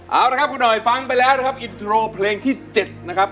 เอาละครับคุณหน่อยฟังไปแล้วนะครับอินโทรเพลงที่๗นะครับ